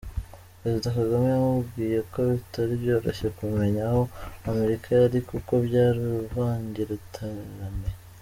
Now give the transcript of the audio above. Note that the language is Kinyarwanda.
Perezida Kagame yamubwiye ko bitari byoroshye kumenya aho Amerika yari kuko byari uruvangitirane.